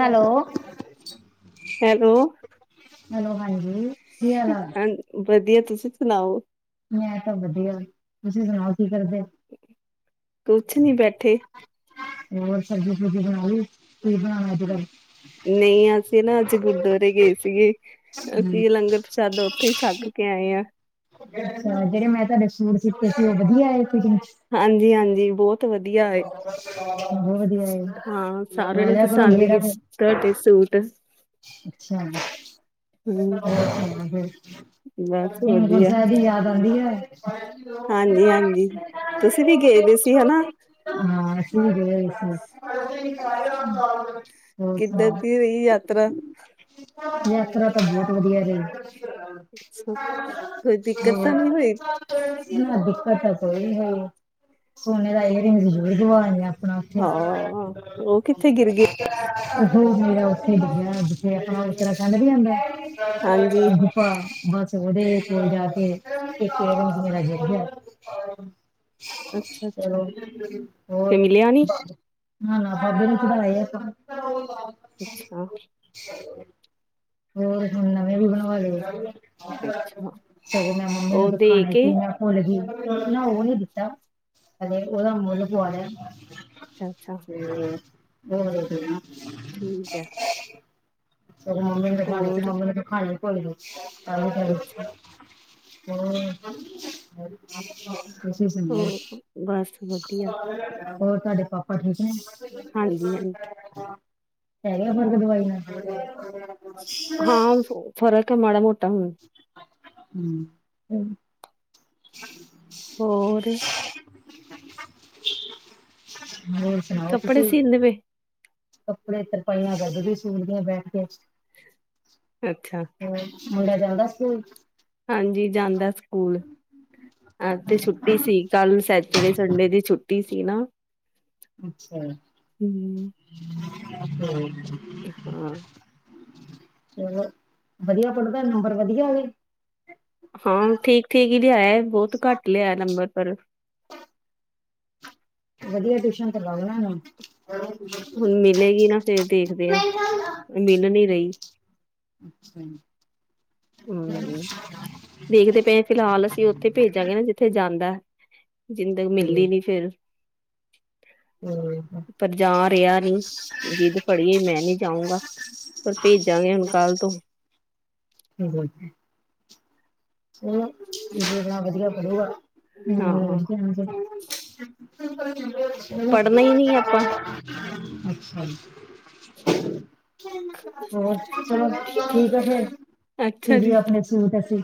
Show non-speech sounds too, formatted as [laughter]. Hello. Hello, hello ਹਾਂਜੀ ਕੀ ਹਾਲ ਆ? ਹਾਂ ਵਧੀਆ ਤੁਸੀਂ ਸੁਨਾਓ? ਮੈਂ ਤਾਂ ਵਧੀਆ ਤੁਸੀਂ ਸੁਣਾਓ ਕੀ ਕਰਦੇ? ਕੁਛ ਨੀ ਬੈਠੇ। ਹੋਰ ਸਬਜੀ-ਸੁਬਜੀ ਬਣਾ ਲੀ ਕੀ ਬਣਾਇਆ ਅੱਜ ਕਰ ਨਈ ਅਸੀਂ ਨਾ ਅੱਜ ਗੁਰਦੁਆਰੇ ਗਏ ਸੀਗੇ। ਹੂੰ, ਅਸੀਂ ਲੰਗਰ ਪ੍ਰਸ਼ਾਦਾ ਉੱਥੇ ਹੀ ਛੱਕ ਕੇ ਆਏ ਆ। ਅਛਾ ਜੇੜੇ ਮੈਂ ਤੁਹਾਡੇ ਸੂਟ ਸੀਤੇ ਸੀ ਉਹ ਬਧੀਆ ਆਏ ਫੀਟਿਂਗ। ਹਾਂਜੀ-ਹਾਂਜੀ ਬੋਤ ਵਧੀਆ ਆਏ ਬਹੁਤ ਵਧੀਆ ਆਏ, ਹਾਂ ਸਾਰਿਆਂ ਲੈ ਨੇ ਲਿਆ ਕਰੋ ਪਸੰਦ ਕੀ ਤੁਹਾਡੇ ਸੂਟ ਅੱਛਾਾ ਹੋਰ ਹੂੰ ਸੁਣਾ ਹੋਰ ਬਸ ਹੇਮਕੁੰਟ ਵਧੀਆ, ਸੈਬ ਦੀ ਯਾਦ ਆਉਂਦੀ ਐ। ਹਾਂਜੀ-ਹਾਂਜੀ ਤੁਸੀਂ ਵੀ ਗਏ ਦੇ ਸੀ ਹੈਨਾ। ਹਾਂ ਅਸੀਂ ਵੀ ਗਯੇ ਹੋਏ ਸੀ। ਹੋਰ ਕਿੱਧਰ ਸੁਣਾਓ, ਦੀ ਹੋਈ ਯਾਤਰਾ? ਯਾਤਰਾ ਤਾਂ ਬੋਹਤ ਵਧੀਆ ਰਈ। ਕੋਈ ਦਿੱਕਤ ਹੋਰ ਤਾਂ ਨਹੀਂ ਹੋਈ? ਨਾ ਦਿੱਕਤ ਤੇ ਕੋਈ ਨਹੀਂ ਹੋਈ ਸੋਨੇ ਦਾ ਏਰਿੰਗ ਜ ਗਵਾ ਲਿਆ ਆਪਣਾ ਉੱਥੇ ਹਾਂ ਉਹ ਕਿੱਥੇ ਗਿਰ ਗਏ? [unintelligible] ਉੱਥੇ ਡਿੱਗਿਆ ਜਿੱਥੇ ਆਪਾ ਉਤਰਾ ਖੰਡ ਨੀ ਆਂਦਾ। ਹਾਂਜੀ, ਬਸ ਵਧੀਆ ਹੀ ਰਿਹਾ ਉਥੇ ਜਾ ਕੇ ਇੱਕ ਏਰਿਗ ਮੇਰਾ ਗਿਰ ਗਿਆ। ਅੱਛਾ-ਅੱਛਾ। ਚਲੋ ਤੇ ਹੋਰ ਮਿਲਿਆ ਨੀ? ਨਾ-ਨਾ ਬਾਬੇ ਨੂੰ ਚੜਾ ਆਏ [unintelligible] ਅੱਛਾ-ਅੱਛਾ। ਹੋਰ ਹੁਣ ਨਵੇਂ ਵੀ ਬਣਵਾ ਲਏ। ਚਲ ਮੈਂ ਮੰਮੀ ਨੂੰ ਉਹ ਦੇ ਦਿਖਾਉਣੇ ਕੇ ਸੀ ਮੈਂ ਮੁੱਲ ਹੀ ਓ-ਓ ਨੀ ਦਿੱਤਾ ਉਹਦਾ ਮੁੱਲ ਪੁਆ ਲਿਆ। ਹੂੰ ਅੱਛਾ ਅੱਛਾ [unintelligible] ਠੀਕ ਹੈ ਸਗੋਂ ਮੰਮੀ ਨੇ ਦਿਖਾਣੀ ਤੇ ਹੋਰ ਮੰਮੀ ਨੇ ਦਿਖਾਈ ਕੋਈ ਨਈ ਹੂੰ ਅੱਛਾ ਤੁਸੀਂ ਸੁਣਾਓ ਹੋ ਬਸ ਵਧੀਆ ਹੋਰ ਤੁਡੇ ਪਾ ਪ ਠੀਕ ਨੇ ਹਾਂਜੀ ਹਾਂਜੀ ਪੈ ਗਿਆ ਫਰਕ ਦਵਾਈ ਨਾਲ ਹਾਂ ਫ਼ਰਕ ਹੈ ਮਾੜਾ ਮੋਟਾ ਹੁਨ ਹੂੰ ਹੋਰ ਹੋਰ ਸੁਣਾਓ ਕੱਪੜੇ ਤੁਸੀਂ ਸੀਂਣੇ ਪਏ। ਕੱਪੜੇ ਤਰਪਾਈਆਂ ਕਰਦੀ ਪਈ ਸਟੂਲ ਦੀ ਤੇ ਬੈਠ ਕੇ ਅੱਛਾ ਹ ਮੁੰਡੇ ਦਾ ਹਾਂਜੀ ਜਾਂਦਾ ਸਕੂਲ ਅੱਜ ਤੇ ਛੁੱਟੀ ਸੀ। ਕੱਲ ਸੈਚਰਡੇ ਸੰਡੇ ਦੀ ਛੁੱਟੀ ਸੀ ਨਾ। ਅੱਛਾ ਹਮ ਹਾਂ ਚਲੋ ਵਧੀਆ ਪੜ੍ਹਦਾ ਨੰਬਰ ਵਧੀਆ ਆ ਗਏ। ਹਾਂ ਠੀਕ-ਠੀਕ ਹੀ ਲਿਆਇਆ ਬੋਤ ਘੱਟ ਲਿਆ ਨੰਬਰ ਪਰ [inaudible] ਵਧੀਆ ਟਿਊਸ਼ਨ ਤਾਂ ਲਗਣਾ ਇਨੂੰ ਹੁਣ ਮਿਲੇਗੀ ਨਾ ਫਿਰ ਦੇਖਦੇ ਹਾਂ ਮਿਲ ਰਈ। ਅੱਛਾ ਜੀ। ਵੇਖਦੇ ਪਏ ਫਿਲਹਾਲ ਅਸੀਂ ਉੱਥੇ ਭੇਜਾਂਗੇ ਨਾ ਜਿੱਥੇ ਜਾਂਦਾ। ਜਿੰਨ ਤੱਕ ਮਿਲਦੀ ਨੀ ਫਿਰ ਹੋਰ ਵੇਖੋ ਪਰ ਜਾ ਰਿਆ ਨੀ ਜਿੱਦ ਫੜੀ ਮੈਂ ਨਈ ਜਾਊਂਗਾ। ਪਰ ਭੇਜਾਂਗੇ ਹੁਣ ਕੱਲ੍ਹ ਤੋਂ [inaudible] ਜੇ ਵਧੀਆ ਪੜੂਗਾ ਨੰਬਰ ਹਾਂ ਵਧੀਆ ਆਣਗੇ। ਪੜ੍ਹਨਾ ਹੀ ਨੀ ਆਪਾਂ ਅੱਛਾ ਜੀ। [inaudible] ਹੋਰ ਚਲੋ ਠੀਕ ਹੈ ਫਿਰ ਅੱਛਾ ਤੁਸੀ ਜੀ ਆਪਣੇ ਸੂਟ ਅਸੀ